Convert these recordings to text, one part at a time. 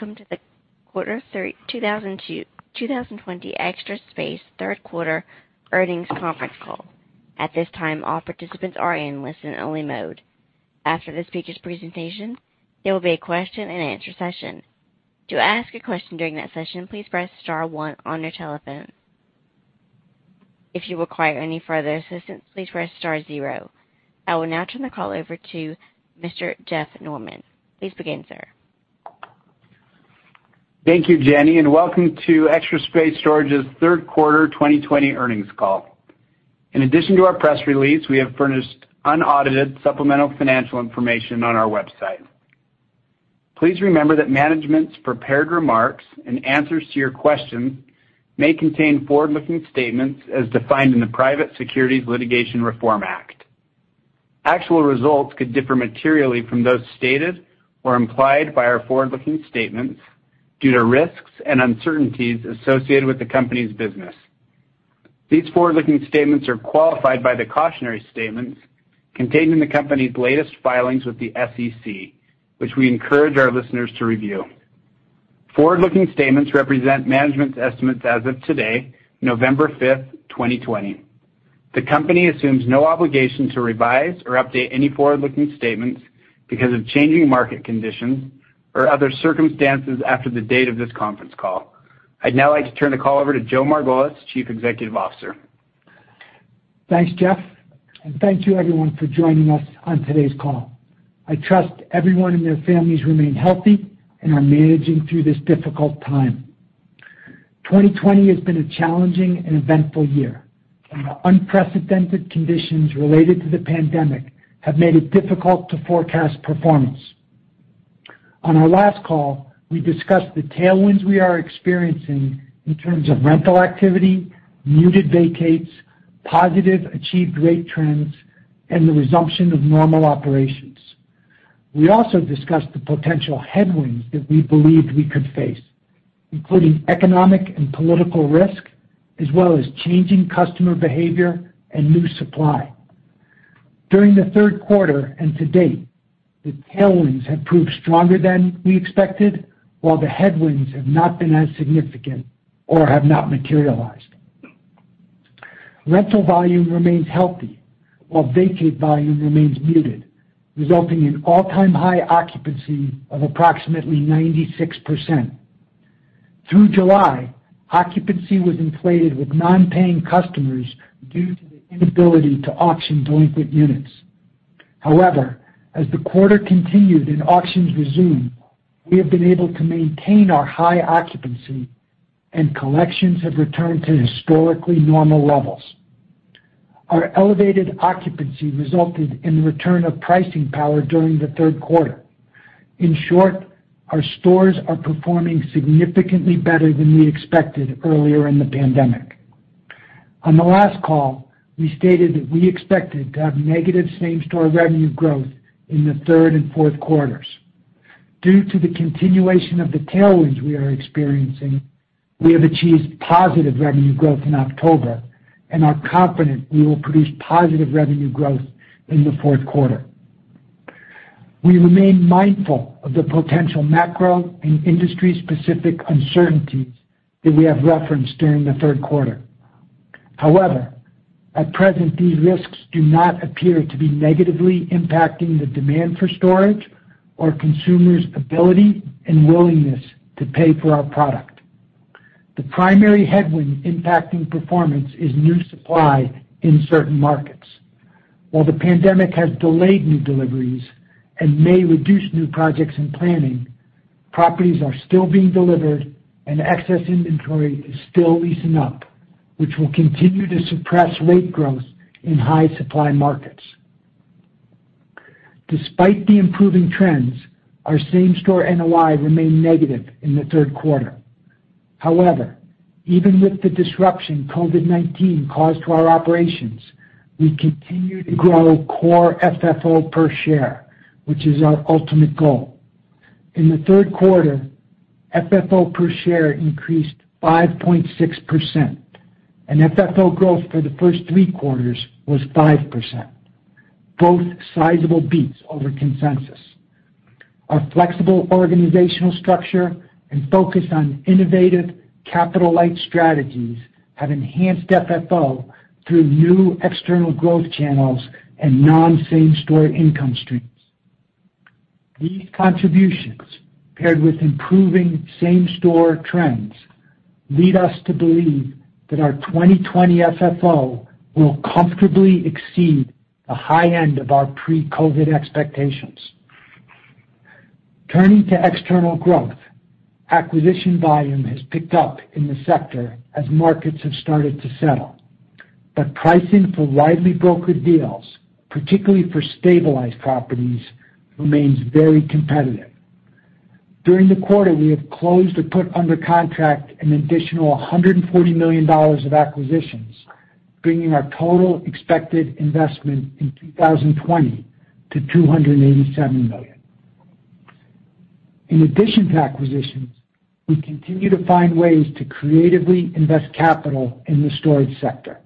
I will now turn the call over to Mr. Jeff Norman. Please begin, sir. Thank you, Jenny, and welcome to Extra Space Storage's Q3 2020 earnings call. In addition to our press release, we have furnished unaudited supplemental financial information on our website. Please remember that management's prepared remarks and answers to your questions may contain forward-looking statements as defined in the Private Securities Litigation Reform Act. Actual results could differ materially from those stated or implied by our forward-looking statements due to risks and uncertainties associated with the company's business. These forward-looking statements are qualified by the cautionary statements contained in the company's latest filings with the SEC, which we encourage our listeners to review. Forward-looking statements represent management's estimates as of today, November fifth, 2020. The company assumes no obligation to revise or update any forward-looking statements because of changing market conditions or other circumstances after the date of this conference call. I'd now like to turn the call over to Joe Margolis, Chief Executive Officer. Thanks, Jeff, and thank you everyone for joining us on today's call. I trust everyone and their families remain healthy and are managing through this difficult time. 2020 has been a challenging and eventful year, and the unprecedented conditions related to the pandemic have made it difficult to forecast performance. On our last call, we discussed the tailwinds we are experiencing in terms of rental activity, muted vacates, positive achieved rate trends, and the resumption of normal operations. We also discussed the potential headwinds that we believed we could face, including economic and political risk, as well as changing customer behavior and new supply. During the Q3 and to date, the tailwinds have proved stronger than we expected, while the headwinds have not been as significant or have not materialized. Rental volume remains healthy while vacate volume remains muted, resulting in all-time high occupancy of approximately 96%. Through July, occupancy was inflated with non-paying customers due to the inability to auction delinquent units. However, as the quarter continued and auctions resumed, we have been able to maintain our high occupancy and collections have returned to historically normal levels. Our elevated occupancy resulted in the return of pricing power during the Q3. In short, our stores are performing significantly better than we expected earlier in the pandemic. On the last call, we stated that we expected to have negative same-store revenue growth in the third and Q4. Due to the continuation of the tailwinds we are experiencing, we have achieved positive revenue growth in October and are confident we will produce positive revenue growth in the Q4. We remain mindful of the potential macro and industry-specific uncertainties that we have referenced during the Q3. However, at present, these risks do not appear to be negatively impacting the demand for storage or consumers' ability and willingness to pay for our product. The primary headwind impacting performance is new supply in certain markets. While the pandemic has delayed new deliveries and may reduce new projects in planning, properties are still being delivered and excess inventory is still leasing up, which will continue to suppress rate growth in high-supply markets. Despite the improving trends, our same-store NOI remained negative in the Q3. Even with the disruption COVID-19 caused to our operations, we continue to grow Core FFO per share, which is our ultimate goal. In the Q3, FFO per share increased 5.6% and FFO growth for the first three quarters was 5%, both sizable beats over consensus. Our flexible organizational structure and focus on innovative capital-light strategies have enhanced FFO through new external growth channels and non-same-store income streams. These contributions, paired with improving same-store trends, lead us to believe that our 2020 FFO will comfortably exceed the high end of our pre-COVID expectations. Turning to external growth, acquisition volume has picked up in the sector as markets have started to settle. The pricing for widely brokered deals, particularly for stabilized properties, remains very competitive. During the quarter, we have closed or put under contract an additional $140 million of acquisitions, bringing our total expected investment in 2020 to $287 million. In addition to acquisitions, we continue to find ways to creatively invest capital in the storage sector.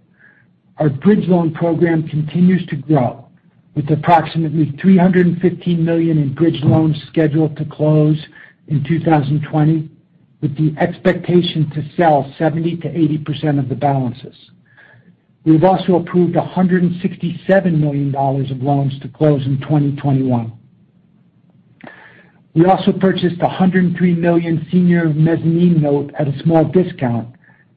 Our bridge loan program continues to grow with approximately $315 million in bridge loans scheduled to close in 2020, with the expectation to sell 70% to 80% of the balances. We've also approved $167 million of loans to close in 2021. We also purchased $103 million senior mezzanine note at a small discount.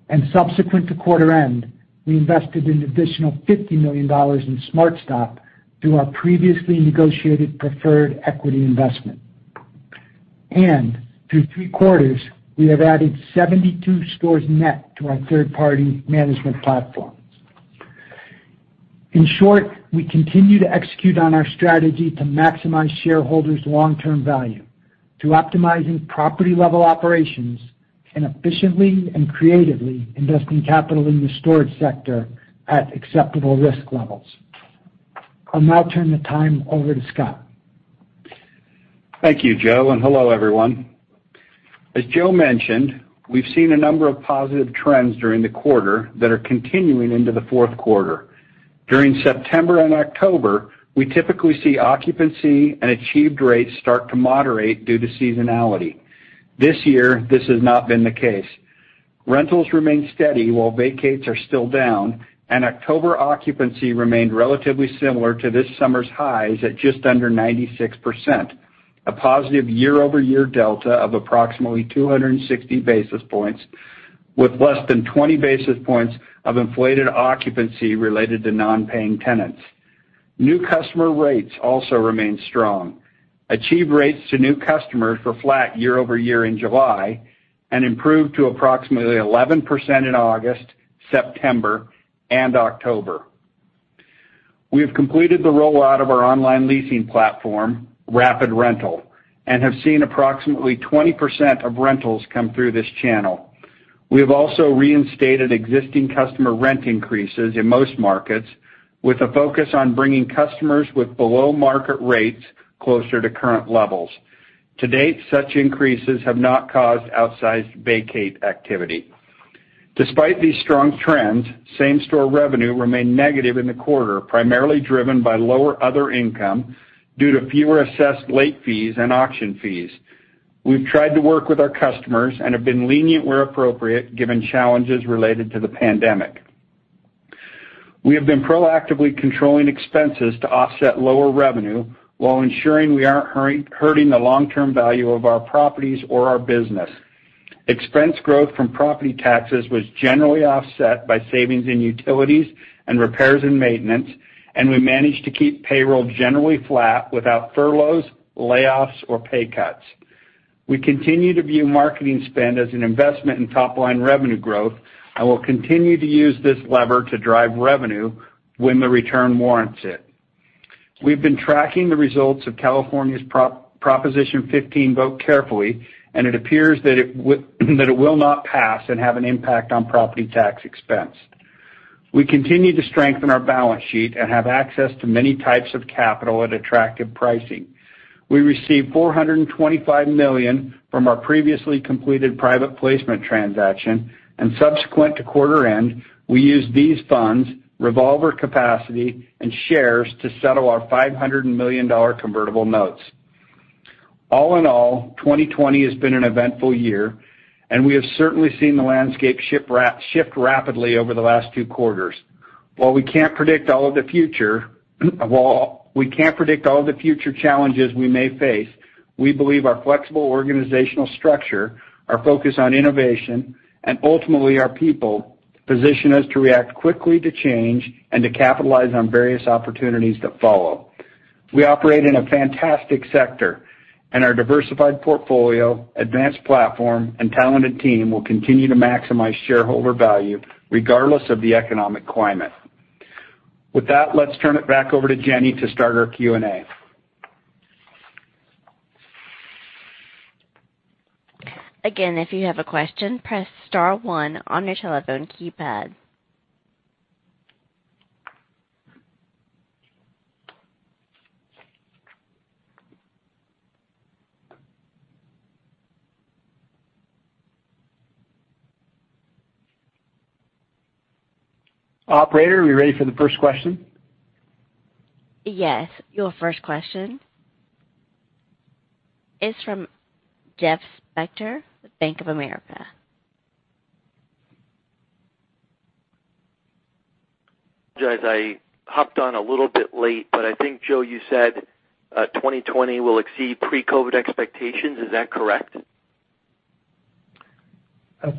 And subsequent to quarter end, we invested an additional $50 million in SmartStop through our previously negotiated preferred equity investment. And through three quarters, we have added 72 stores net to our third-party management platforms. In short, we continue to execute on our strategy to maximize shareholders' long-term value through optimizing property-level operations and efficiently and creatively investing capital in the storage sector at acceptable risk levels. I'll now turn the time over to Scott. Thank you, Joe, and hello, everyone. As Joe mentioned, we've seen a number of positive trends during the quarter that are continuing into the Q4. During September and October, we typically see occupancy and achieved rates start to moderate due to seasonality. This year, this has not been the case. Rentals remain steady while vacates are still down, and October occupancy remained relatively similar to this summer's highs at just under 96%, a positive year-over-year delta of approximately 260 basis points, with less than 20 basis points of inflated occupancy related to non-paying tenants. New customer rates also remain strong. Achieved rates to new customers were flat year-over-year in July, and improved to approximately 11% in August, September, and October. We have completed the rollout of our online leasing platform, Rapid Rental, and have seen approximately 20% of rentals come through this channel. We have also reinstated existing customer rent increases in most markets, with a focus on bringing customers with below-market rates closer to current levels. To date, such increases have not caused outsized vacate activity. Despite these strong trends, same-store revenue remained negative in the quarter, primarily driven by lower other income due to fewer assessed late fees and auction fees. We've tried to work with our customers and have been lenient where appropriate, given challenges related to the pandemic. We have been proactively controlling expenses to offset lower revenue while ensuring we aren't hurting the long-term value of our properties or our business. Expense growth from property taxes was generally offset by savings in utilities and repairs and maintenance, and we managed to keep payroll generally flat without furloughs, layoffs, or pay cuts. We continue to view marketing spend as an investment in top-line revenue growth and will continue to use this lever to drive revenue when the return warrants it. We've been tracking the results of California's Proposition 15 vote carefully, and it appears that it will not pass and have an impact on property tax expense. We continue to strengthen our balance sheet and have access to many types of capital at attractive pricing. We received $425 million from our previously completed private placement transaction, and subsequent to quarter end, we used these funds, revolver capacity, and shares to settle our $500 million convertible notes. All in all, 2020 has been an eventful year, and we have certainly seen the landscape shift rapidly over the last two quarters. While we can't predict all of the future challenges we may face, we believe our flexible organizational structure, our focus on innovation, and ultimately our people position us to react quickly to change and to capitalize on various opportunities that follow. We operate in a fantastic sector, and our diversified portfolio, advanced platform, and talented team will continue to maximize shareholder value regardless of the economic climate. With that, let's turn it back over to Jenny to start our Q&A. Again, if you have a question, press star one on your telephone keypad. Operator, are we ready for the first question? Yes. Your first question is from Jeff Spector with Bank of America. Guys, I hopped on a little bit late, but I think, Joe, you said 2020 will exceed pre-COVID expectations. Is that correct?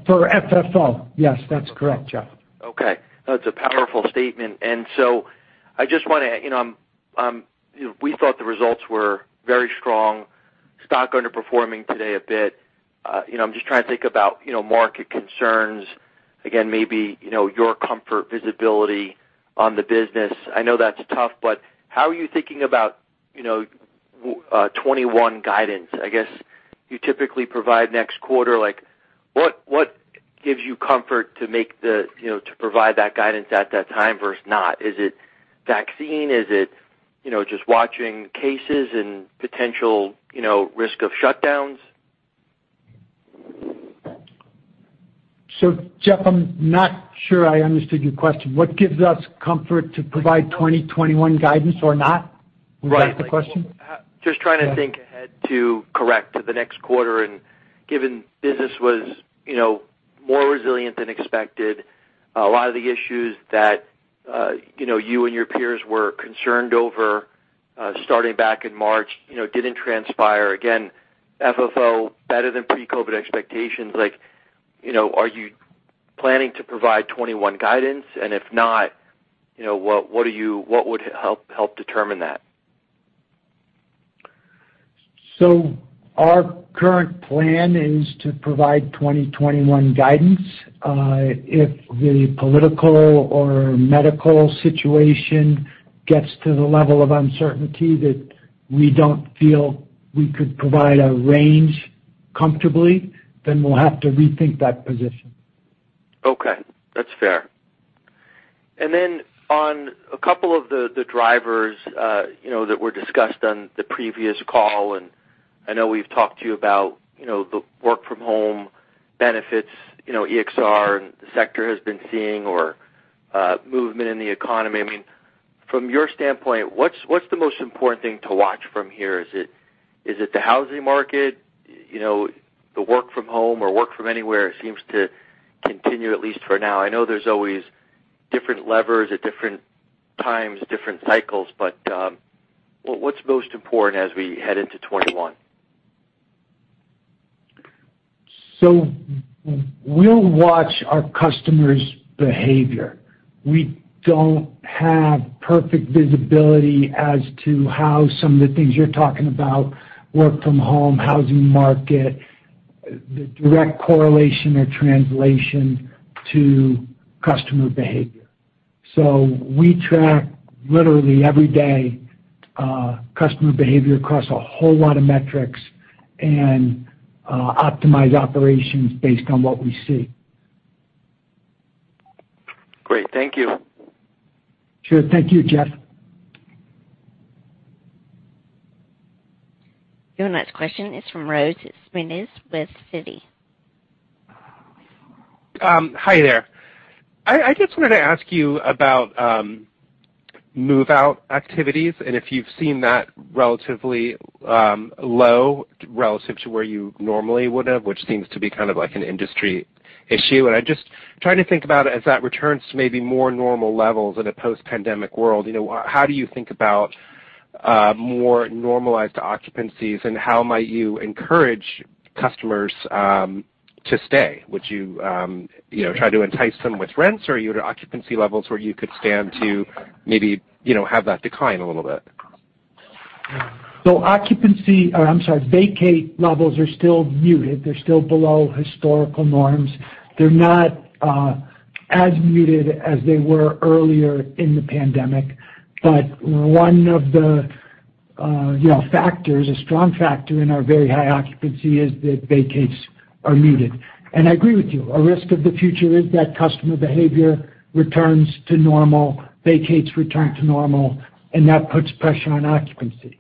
For FFO. Yes, that's correct, Jeff. Okay. That's a powerful statement. And so, I just want to, you know, we thought the results were very strong. Stock underperforming today a bit. I'm just trying to think about market concerns, again, maybe, your comfort, visibility on the business. I know that's tough, but how are you thinking about 2021 guidance? I guess you typically provide next quarter, like what gives you comfort to provide that guidance at that time versus not? Is it vaccine? Is it just watching cases and potential risk of shutdowns? Jeff, I'm not sure I understood your question. What gives us comfort to provide 2021 guidance or not? Is that the question? Right. Just trying to think ahead to correct to the next quarter, and given business was more resilient than expected, a lot of the issues that you and your peers were concerned over starting back in March didn't transpire. Again, FFO better than pre-COVID expectations. Like, you know, are you planning to provide 2021 guidance? And if not, what would help determine that? So our current plan is to provide 2021 guidance. If the political or medical situation gets to the level of uncertainty that we don't feel we could provide a range comfortably, then we'll have to rethink that position. Okay. That's fair. And then on a couple of the drivers that were discussed on the previous call, and I know we've talked to you about the work from home benefits, EXR, and the sector has been seeing or movement in the economy. From your standpoint, what's the most important thing to watch from here? Is it the housing market? You know, the work from home or work from anywhere seems to continue, at least for now. I know there's always different levers at different times, different cycles, but what's most important as we head into 2021? So, we'll watch our customers' behavior. We don't have perfect visibility as to how some of the things you're talking about, work from home, housing market, the direct correlation or translation to customer behavior. So we track literally every day, customer behavior across a whole lot of metrics and optimize operations based on what we see. Great. Thank you. Sure. Thank you, Jeff. Your next question is from Smedes Rose with Citi. Hi there. I just wanted to ask you about move-out activities and if you've seen that relatively low relative to where you normally would have, which seems to be kind of like an industry issue? I'm just trying to think about as that returns to maybe more normal levels in a post-pandemic world, how do you think about more normalized occupancies and how might you encourage customers to stay? Would you try to entice them with rents or are you at occupancy levels where you could stand to maybe have that decline a little bit? So as you can see vacate levels are still muted. They're still below historical norms. They're not as muted as they were earlier in the pandemic. One of the factors, a strong factor in our very high occupancy is that vacates are muted. I agree with you. A risk of the future is that customer behavior returns to normal, vacates return to normal, and that puts pressure on occupancy.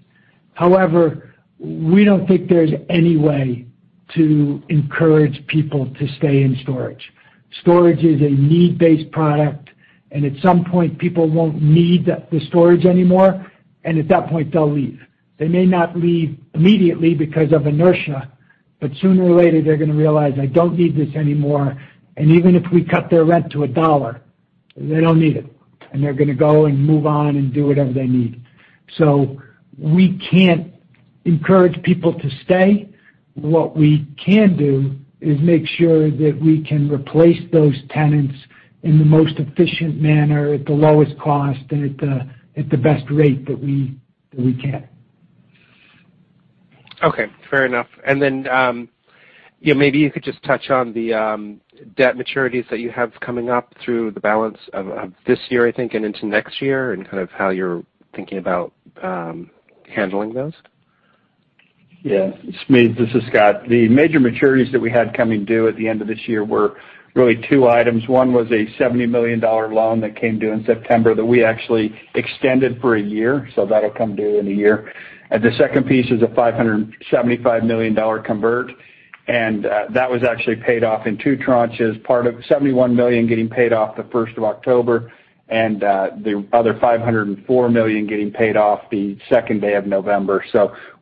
However, we don't think there's any way to encourage people to stay in storage. Storage is a need-based product, and at some point, people won't need the storage anymore, and at that point, they'll leave. They may not leave immediately because of inertia, but sooner or later, they're going to realize, I don't need this anymore, and even if we cut their rent to $1, they don't need it. They're going to go and move on and do whatever they need. We can't encourage people to stay. What we can do is make sure that we can replace those tenants in the most efficient manner at the lowest cost and at the best rate that we can. Okay. Fair enough. And then maybe you could just touch on the debt maturities that you have coming up through the balance of this year, I think, and into next year and kind of how you're thinking about handling those. Yeah. Smedes, this is Scott. The major maturities that we had coming due at the end of this year were really two items. One was a $70 million loan that came due in September that we actually extended for a year, so that'll come due in a year. The second piece is a $575 million convert, and that was actually paid off in two tranches, part of $71 million getting paid off the 1st of October and the other $504 million getting paid off the 2nd day of November.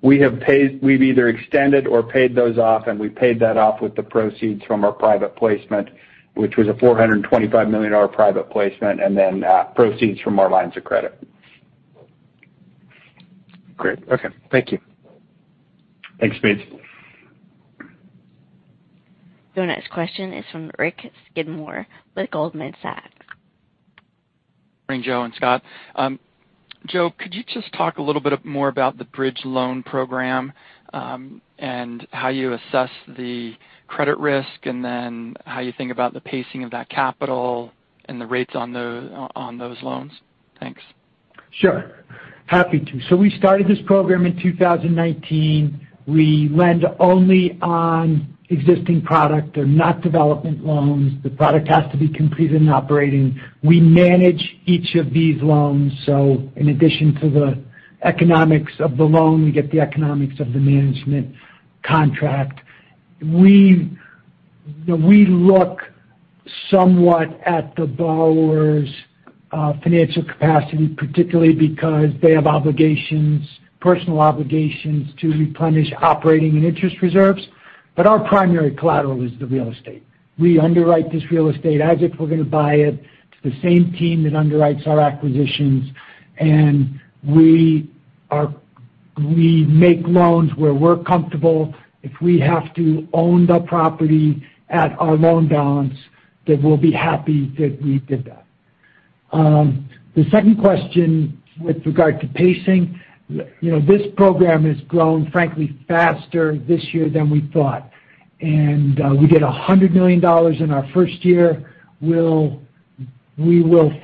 We've either extended or paid those off, and we paid that off with the proceeds from our private placement, which was a $425 million private placement, and then proceeds from our lines of credit. Great. Okay. Thank you. Thanks, Smedes. Your next question is from Richard Skidmore with Goldman Sachs. Morning, Joe and Scott. Joe, could you just talk a little bit more about the bridge loan program and how you assess the credit risk and then how you think about the pacing of that capital and the rates on those loans? Thanks. Sure. Happy to. We started this program in 2019. We lend only on existing product. They're not development loans. The product has to be completed and operating. We manage each of these loans, so in addition to the economics of the loan, we get the economics of the management contract. We look somewhat at the borrower's financial capacity, particularly because they have personal obligations to replenish operating and interest reserves. Our primary collateral is the real estate. We underwrite this real estate as if we're going to buy it. It's the same team that underwrites our acquisitions, and we make loans where we're comfortable. If we have to own the property at our loan balance, then we'll be happy that we did that. The second question with regard to pacing, this program has grown, frankly, faster this year than we thought. We did $100 million in our first year. We will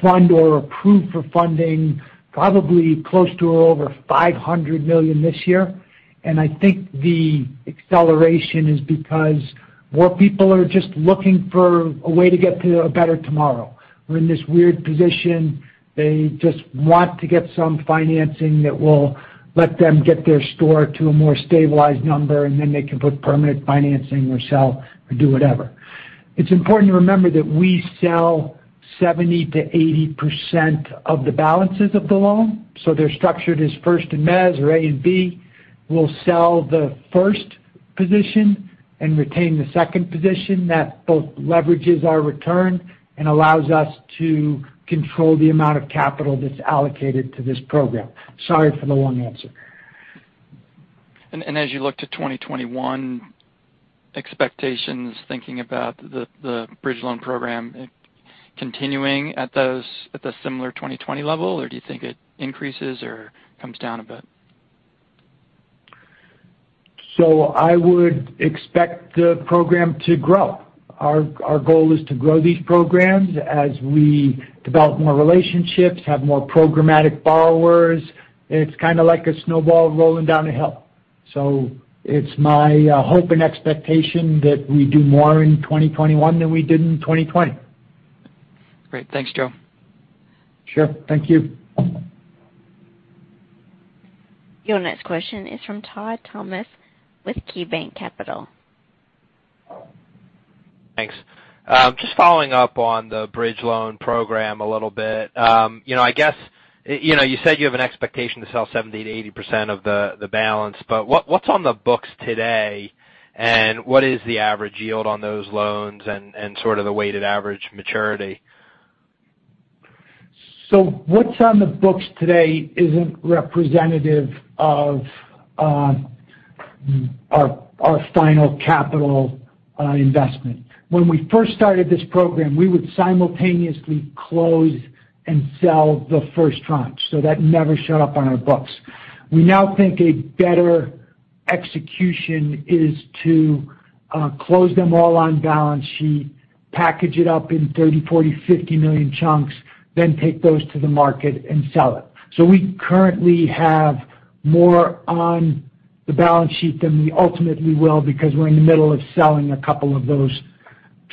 fund or approve for funding probably close to over $500 million this year. I think the acceleration is because more people are just looking for a way to get to a better tomorrow. We're in this weird position. They just want to get some financing that will let them get their store to a more stabilized number, and then they can put permanent financing or sell or do whatever. It's important to remember that we sell 70% to 80% of the balances of the loan. They're structured as first in mezz or A and B. We'll sell the first position and retain the second position that both leverages our return and allows us to control the amount of capital that's allocated to this program. Sorry for the long answer. And as you look to 2021 expectations, thinking about the bridge loan program continuing at the similar 2020 level, or do you think it increases or comes down a bit? I would expect the program to grow. Our goal is to grow these programs as we develop more relationships, have more programmatic borrowers. It's like a snowball rolling down a hill. So it's my hope and expectation that we do more in 2021 than we did in 2020. Great. Thanks, Joe. Sure. Thank you. Your next question is from Todd Thomas with KeyBanc Capital. Thanks. Just following up on the bridge loan program a little bit. I guess, you said you have an expectation to sell 70% to 80% of the balance, what's on the books today, and what is the average yield on those loans and sort of the weighted average maturity? What's on the books today isn't representative of our final capital investment. When we first started this program, we would simultaneously close and sell the first tranche, so that never showed up on our books. We now think a better execution is to close them all on balance sheet, package it up in $30 million, $40 million, $50 million chunks, then take those to the market and sell it. So we currently have more on the balance sheet than we ultimately will because we're in the middle of selling a couple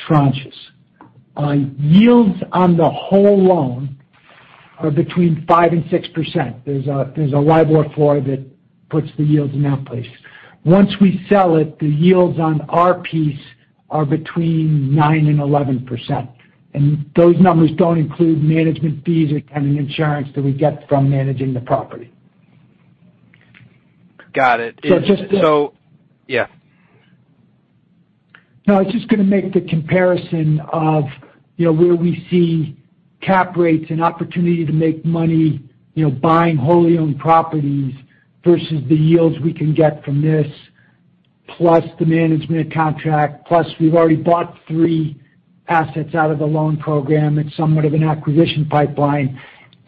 of those tranches. Yields on the whole loan are between 5% to 6%. There's a LIBOR floor that puts the yields in that place. Once we sell it, the yields on our piece are between 9% to 11%. Those numbers don't include management fees or tenant insurance that we get from managing the property. Got it. So just- Yeah. I was just going to make the comparison of where we see cap rates and opportunity to make money buying wholly owned properties versus the yields we can get from this, plus the management contract. Plus we've already bought three assets out of the loan program. It's somewhat of an acquisition pipeline,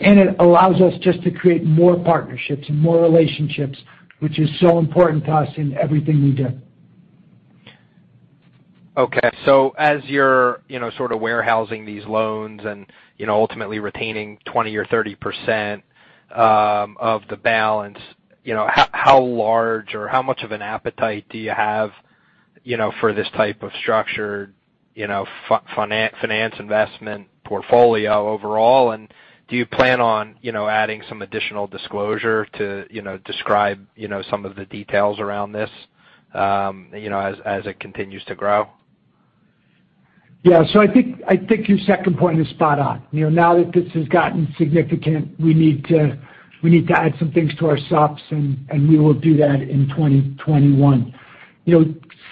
and it allows us just to create more partnerships and more relationships, which is so important to us in everything we do. Okay, so, as you're sort of warehousing these loans and ultimately retaining 20% or 30% of the balance, how large or how much of an appetite do you have for this type of structured finance investment portfolio overall, and do you plan on adding some additional disclosure to describe some of the details around this as it continues to grow? Yeah. So I think your second point is spot on. Now that this has gotten significant, we need to add some things to our subs, and we will do that in 2021.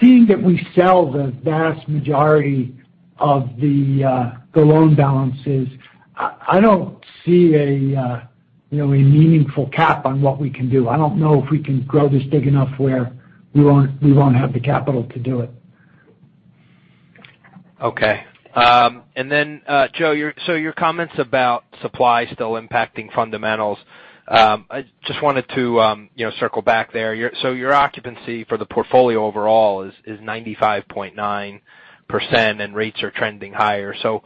Seeing that we sell the vast majority of the loan balances, I don't see a meaningful cap on what we can do. I don't know if we can grow this big enough where we won't have the capital to do it. Okay. And then Joe, your comments about supply still impacting fundamentals. I just wanted to circle back there. Your occupancy for the portfolio overall is 95.9%, and rates are trending higher. So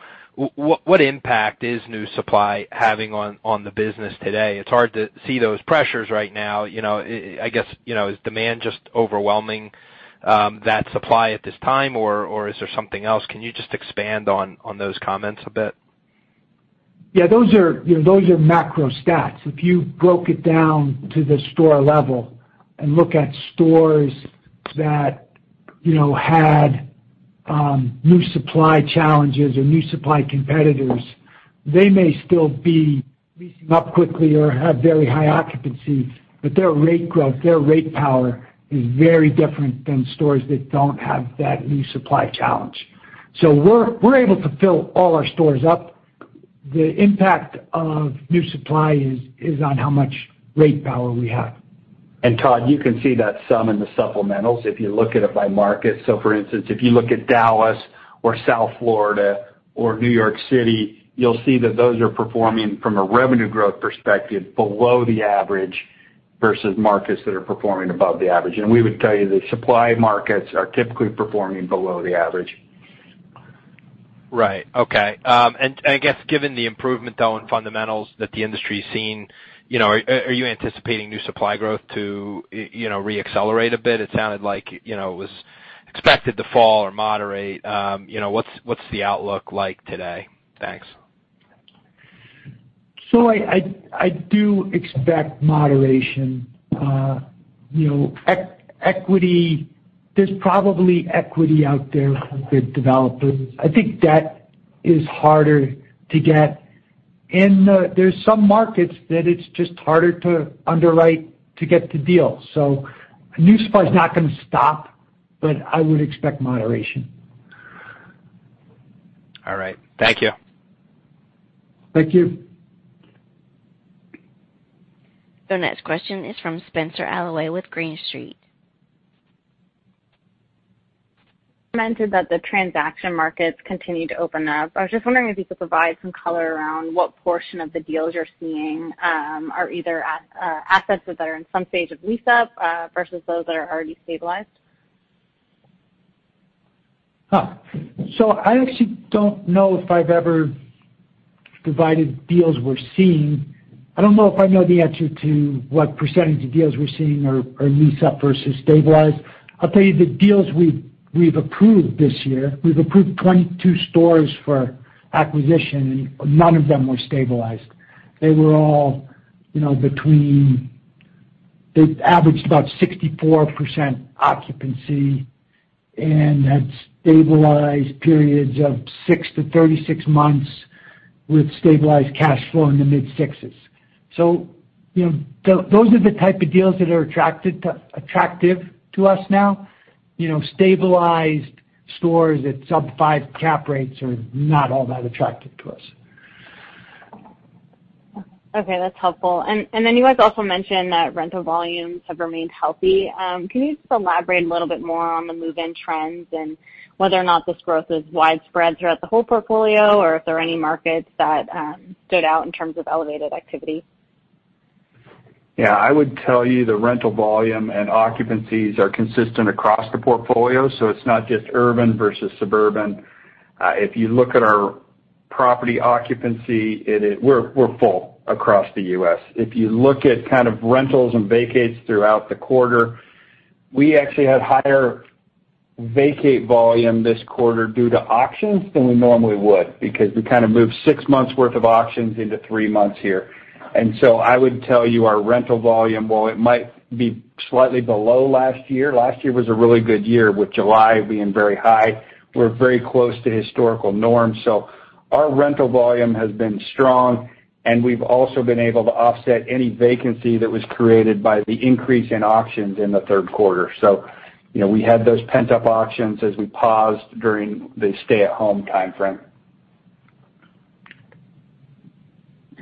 what impact is new supply having on the business today? It's hard to see those pressures right now. You know I guess, is demand just overwhelming that supply at this time, or is there something else? Can you just expand on those comments a bit? Yeah, those are macro stats. If you broke it down to the store level and look at stores that had new supply challenges or new supply competitors, they may still be leasing up quickly or have very high occupancy, but their rate growth, their rate power, is very different than stores that don't have that new supply challenge. So we're able to fill all our stores up. The impact of new supply is on how much rate power we have. And Todd, you can see that sum in the supplementals if you look at it by market. For instance, if you look at Dallas or South Florida or New York City, you'll see that those are performing from a revenue growth perspective below the average versus markets that are performing above the average. We would tell you the supply markets are typically performing below the average. Right. Okay. I guess given the improvement, though, in fundamentals that the industry's seen, are you anticipating new supply growth to re-accelerate a bit? It sounded like it was expected to fall or moderate. What's the outlook like today? Thanks. So I do expect moderation. There's probably equity out there with the developers. I think debt is harder to get. And there's some markets that it's just harder to underwrite to get the deal. So new supply's not going to stop, but I would expect moderation. All right. Thank you. Thank you. The next question is from Spenser Allaway with Green Street. You mentioned that the transaction markets continue to open up. I was just wondering if you could provide some color around what portion of the deals you're seeing are either assets that are in some stage of lease-up versus those that are already stabilized. So I actually don't know if I've ever provided deals we're seeing. I don't know if I know the answer to what percentage of deals we're seeing are lease-up versus stabilized. I'll tell you the deals we've approved this year, we've approved 22 stores for acquisition, and none of them were stabilized. They averaged about 64% occupancy and had stabilized periods of six to 36 months with stabilized cash flow in the mid-sixes. So those are the type of deals that are attractive to us now. Stabilized stores at sub 5 cap rates are not all that attractive to us. Okay, that's helpful. You guys also mentioned that rental volumes have remained healthy. Can you just elaborate a little bit more on the move-in trends and whether or not this growth is widespread throughout the whole portfolio, or if there are any markets that stood out in terms of elevated activity? Yeah, I would tell you the rental volume and occupancies are consistent across the portfolio, so it's not just urban versus suburban. If you look at our property occupancy, we're full across the U.S. If you look at kind of rentals and vacates throughout the quarter, we actually had higher vacate volume this quarter due to auctions than we normally would, because we kind of moved six months worth of auctions into three months here. And so I would tell you our rental volume, while it might be slightly below last year, last year was a really good year with July being very high. We're very close to historical norms. Our rental volume has been strong, and we've also been able to offset any vacancy that was created by the increase in auctions in the Q3. So we had those pent-up auctions as we paused during the stay-at-home timeframe.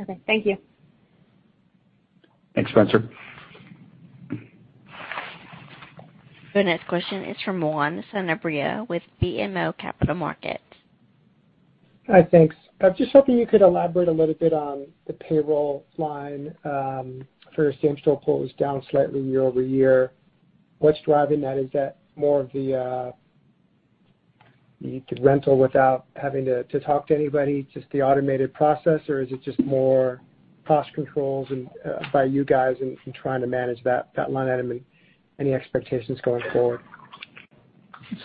Okay. Thank you. Thanks, Spenser. The next question is from Juan Sanabria with BMO Capital Markets. Hi, thanks. I was just hoping you could elaborate a little bit on the payroll line for same-store quotes down slightly year-over-year. What's driving that? Is that more of the uh Rapid Rental without having to talk to anybody, just the automated process, or is it just more cost controls and by you guys in trying to manage that line item? Any expectations going forward?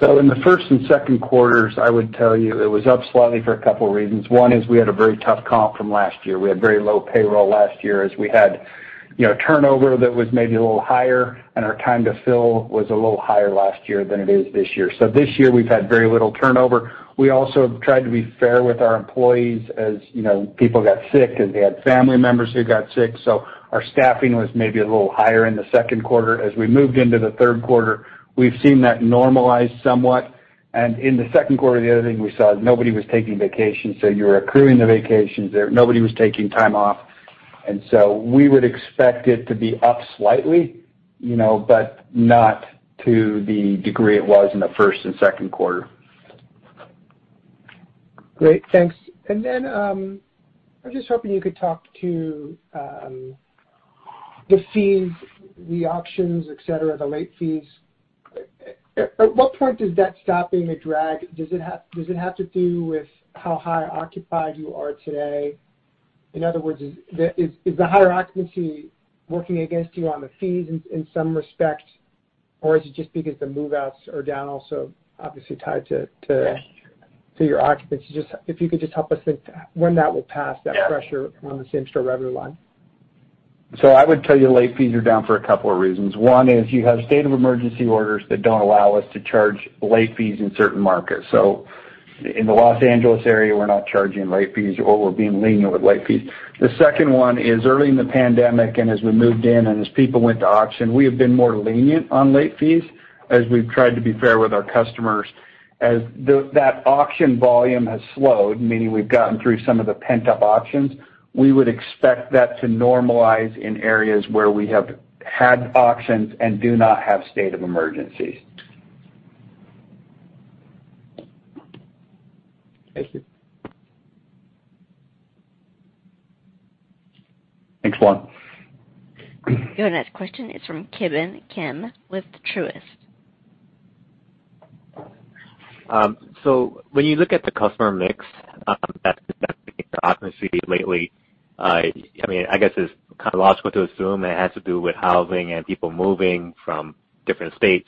So in the first and Q2, I would tell you it was up slightly for a couple reasons. One is we had a very tough comp from last year. We had very low payroll last year as we had turnover that was maybe a little higher, and our time to fill was a little higher last year than it is this year. This year, we've had very little turnover. We also have tried to be fair with our employees as people got sick and they had family members who got sick. Our staffing was maybe a little higher in the Q2. As we moved into the Q3, we've seen that normalize somewhat. And in the Q2, the other thing we saw is nobody was taking vacations, so you were accruing the vacations there. Nobody was taking time off. We would expect it to be up slightly, but not to the degree it was in the Q1 and Q2. Great. Thanks. I was just hoping you could talk to the fees, the auctions, et cetera, the late fees. At what point is that stopping the drag? Does it have to do with how high occupied you are today? In other words, is the higher occupancy working against you on the fees in some respect, or is it just because the move-outs are down also, obviously tied to your occupancy? If you could just help us when that will pass, that pressure on the same-store revenue line. So I would tell you late fees are down for a couple of reasons. One is you have state of emergency orders that don't allow us to charge late fees in certain markets. In the Los Angeles area, we're not charging late fees, or we're being lenient with late fees. The second one is early in the pandemic, and as we moved in and as people went to auction, we have been more lenient on late fees as we've tried to be fair with our customers. As that auction volume has slowed, meaning we've gotten through some of the pent-up auctions, we would expect that to normalize in areas where we have had auctions and do not have state of emergencies. Thank you. Thanks, Juan. Your next question is from Ki Bin Kim with Truist. When you look at the customer mix, that is the best its lately, I guess it's kind of logical to assume it has to do with housing and people moving from different states.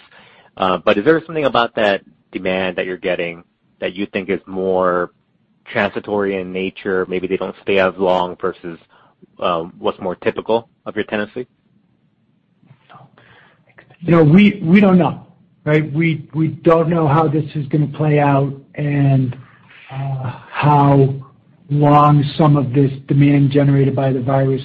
But is there something about that demand that you're getting that you think is more transitory in nature? Maybe they don't stay as long versus what's more typical of your tenancy? No. We don't know, right? We don't know how this is gonna play out and how long some of this demand generated by the virus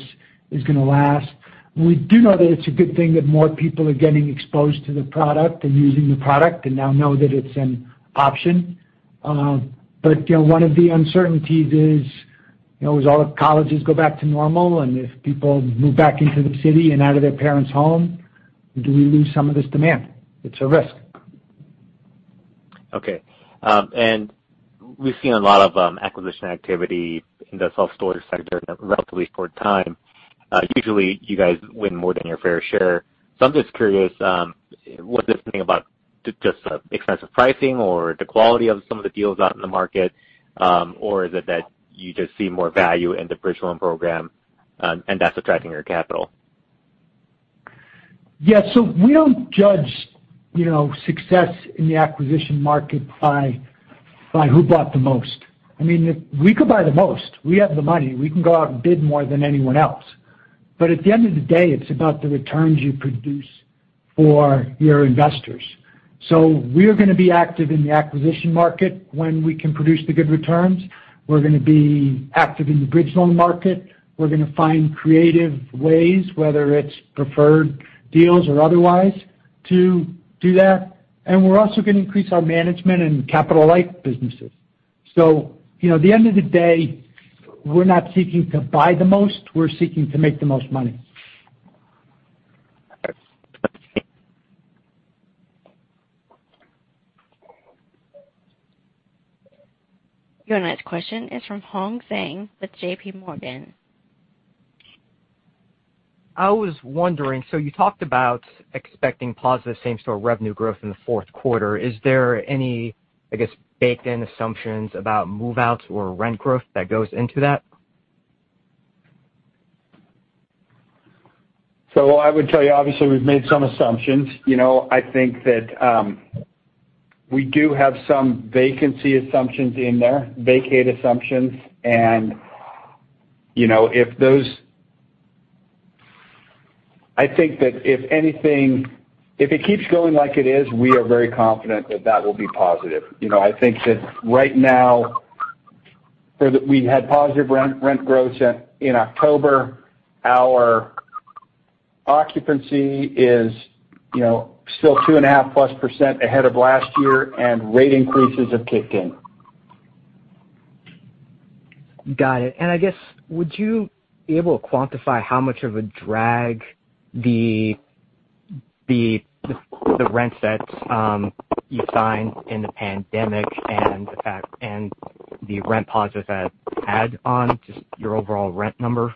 is gonna last. We do know that it's a good thing that more people are getting exposed to the product and using the product and now know that it's an option. One of the uncertainties is, as all the colleges go back to normal, and if people move back into the city and out of their parents' home, do we lose some of this demand? It's a risk. Okay. And we've seen a lot of acquisition activity in the self-storage sector in a relatively short time. Usually, you guys win more than your fair share. I'm just curious, was this something about just the expensive pricing or the quality of some of the deals out in the market? Or is it that you just see more value in the bridge loan program, and that's attracting your capital? Yeah. So we don't judge success in the acquisition market by who bought the most. We could buy the most. We have the money. We can go out and bid more than anyone else. At the end of the day, it's about the returns you produce for your investors. We're going to be active in the acquisition market when we can produce the good returns. We're going to be active in the bridge loan market. We're going to find creative ways, whether it's preferred deals or otherwise, to do that. We're also going to increase our management and capital-light businesses. So at the end of the day, we're not seeking to buy the most. We're seeking to make the most money. Got it. Your next question is from Hong Zhang with J.P. Morgan. I was wondering, so you talked about expecting positive same-store revenue growth in the Q4. Is there any, I guess, baked-in assumptions about move-outs or rent growth that goes into that? I would tell you, obviously, we've made some assumptions. You know I think that we do have some vacancy assumptions in there, vacate assumptions. And you know if those, I think that if anything it keeps going like it is, we are very confident that that will be positive. I think that right now, we had positive rent growth in October. Our occupancy is still 2.5%+ ahead of last year, and rate increases have kicked in. Got it. I guess, would you be able to quantify how much of a drag the rents that you signed in the pandemic and the rent pauses that add on to your overall rent number?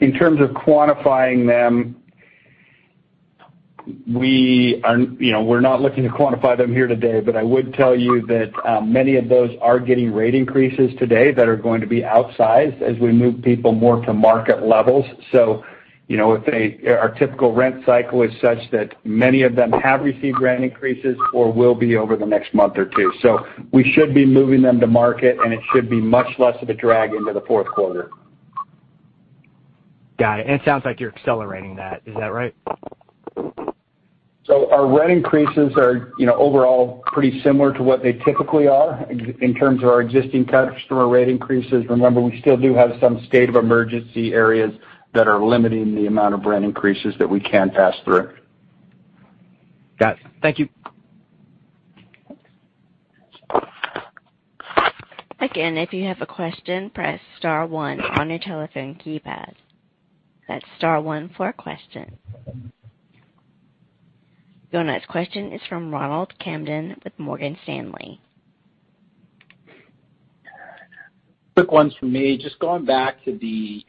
In terms of quantifying them, we're not looking to quantify them here today, but I would tell you that many of those are getting rate increases today that are going to be outsized as we move people more to market levels. Our typical rent cycle is such that many of them have received rent increases or will be over the next month or two. We should be moving them to market, and it should be much less of a drag into the Q4. Got it. It sounds like you're accelerating that. Is that right? So our rent increases are overall pretty similar to what they typically are in terms of our existing customer rate increases. Remember, we still do have some state of emergency areas that are limiting the amount of rent increases that we can pass through. Got it. Thank you. Again, if you have a question, press star one on your telephone keypad. That's star one for a question. Your next question is from Ronald Kamdem with Morgan Stanley. Quick ones from me. Just going back to the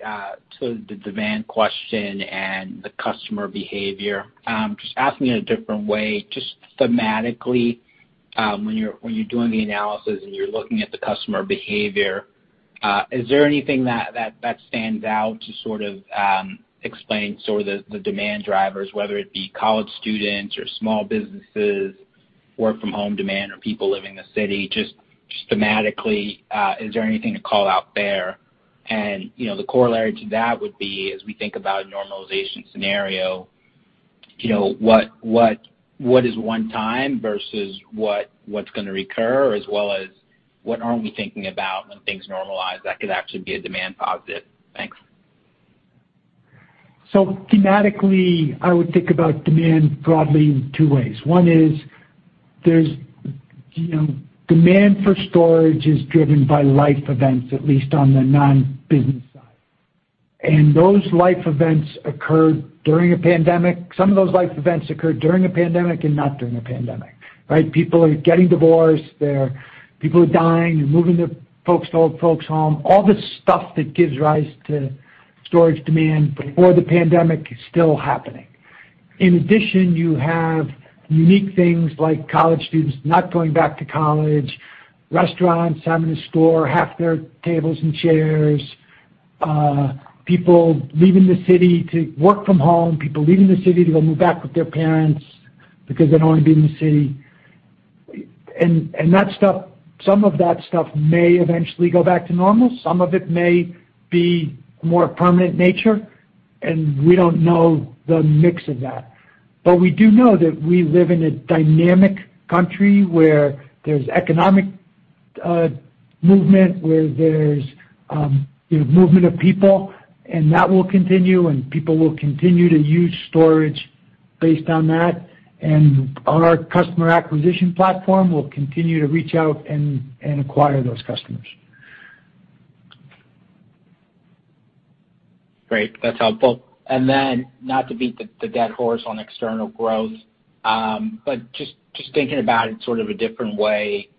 demand question and the customer behavior, just asking in a different way, just thematically, when you're doing the analysis and you're looking at the customer behavior? Is there anything that stands out to explain the demand drivers, whether it be college students or small businesses, work-from-home demand or people leaving the city? Just thematically, is there anything to call out there? The corollary to that would be, as we think about a normalization scenario, what is one time versus what's going to recur, as well as what aren't we thinking about when things normalize that could actually be a demand positive? Thanks. So thematically, I would think about demand broadly in two ways. One is demand for storage is driven by life events, at least on the non-business side. Those life events occurred during a pandemic. Some of those life events occurred during a pandemic and not during a pandemic, right? People are getting divorced. People are dying and moving to folks to old folks home. All the stuff that gives rise to storage demand before the pandemic is still happening. In addition, you have unique things like college students not going back to college, restaurants having to store half their tables and chairs, people leaving the city to work from home, people leaving the city to go move back with their parents because they don't want to be in the city. Some of that stuff may eventually go back to normal. Some of it may be more permanent nature, and we don't know the mix of that. We do know that we live in a dynamic country where there's economic movement, where there's movement of people, and that will continue, and people will continue to use storage based on that. And on our customer acquisition platform, we'll continue to reach out and acquire those customers. Great. That's helpful. And then not to beat the dead horse on external growth, just thinking about it sort of a different way,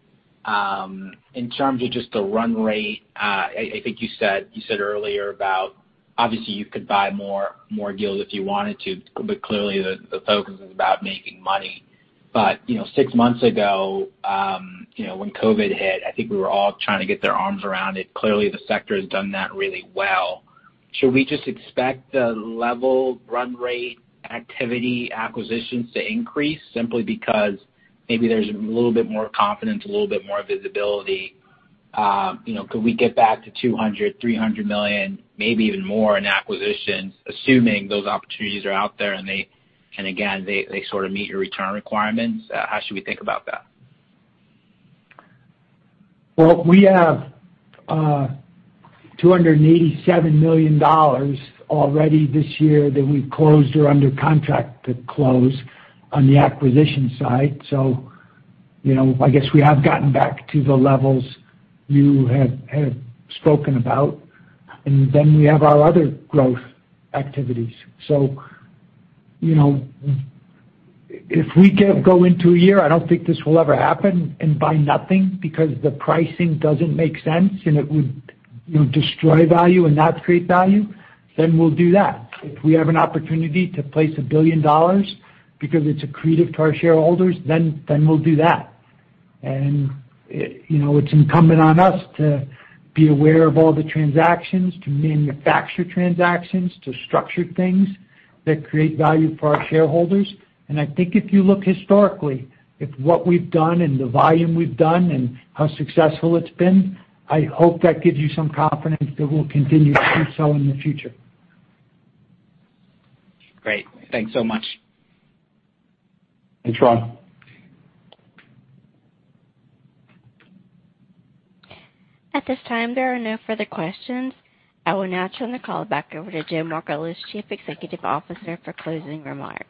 in terms of just the run rate, I think you said earlier about, obviously, you could buy more deals if you wanted to, but clearly the focus is about making money. Six months ago, when COVID hit, I think we were all trying to get their arms around it. Clearly, the sector has done that really well. Should we just expect the level run rate activity acquisitions to increase simply because maybe there's a little bit more confidence, a little bit more visibility? Could we get back to $200 million, $300 million, maybe even more in acquisitions, assuming those opportunities are out there and they sort of meet your return requirements? How should we think about that? We have $287 million already this year that we've closed or under contract to close on the acquisition side. So, you know, I guess we have gotten back to the levels weve spoken about, and then we have our other growth activities. If we go into a year, I don't think this will ever happen and buy nothing because the pricing doesn't make sense, and it would destroy value and not create value, then we'll do that. If we have an opportunity to place $1 billion because it's accretive to our shareholders, then we'll do that. It's incumbent on us to be aware of all the transactions, to manufacture transactions, to structure things that create value for our shareholders. I think if you look historically at what we've done and the volume we've done and how successful it's been, I hope that gives you some confidence that we'll continue to do so in the future. Great. Thanks so much. Thanks, Ronald. At this time, there are no further questions. I will now turn the call back over to Joe Margolis, Chief Executive Officer, for closing remarks.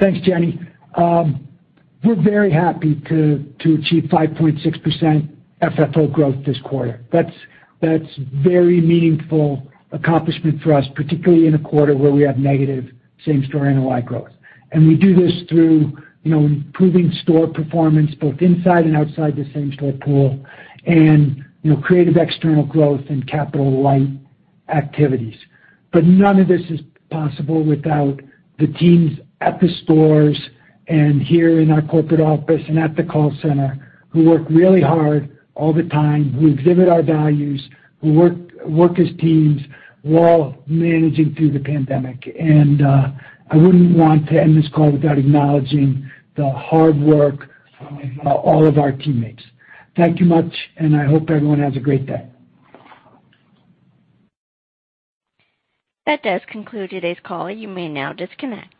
Thanks, Jenny. We're very happy to achieve 5.6% FFO growth this quarter. That's very meaningful accomplishment for us, particularly in a quarter where we have negative same-store NOI growth. We do this through improving store performance, both inside and outside the same-store pool, and creative external growth and capital-light activities. None of this is possible without the teams at the stores and here in our corporate office and at the call center who work really hard all the time, who exhibit our values, who work as teams while managing through the pandemic. I wouldn't want to end this call without acknowledging the hard work of all of our teammates. Thank you much, and I hope everyone has a great day. That does conclude today's call. You may now disconnect.